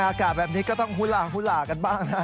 ในอากาศแบบนี้ก็ต้องฮุล่ากันบ้างนะครับ